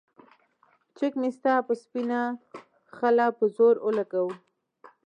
چک مې ستا پۀ سپينه خله پۀ زور اولګوو